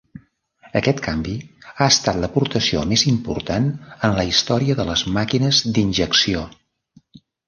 Aquest canvi ha estat l'aportació més important en la història de les màquines d'injecció.